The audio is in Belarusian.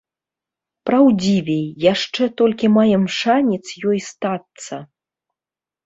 Праўдзівей, яшчэ толькі маем шанец ёй стацца.